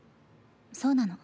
そうなの。